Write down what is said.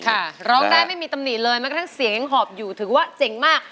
ร้องได้ไม่มีตำหนิเลยแม้กระทั่งเสียงยังหอบอยู่ถือว่าเจ๋งมาก